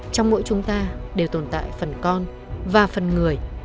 trong mỗi chúng ta đều tồn tại phần con và phần người